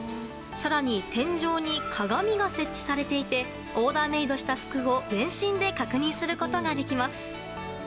更に天井に鏡が設置されていてオーダーメイドした服を全身で確認することができます。